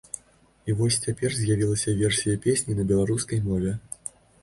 І вось цяпер з'явілася версія песні на беларускай мове.